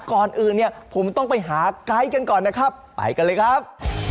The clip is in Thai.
ก่อนอื่นเนี่ยผมต้องไปหาไกด์กันก่อนนะครับไปกันเลยครับ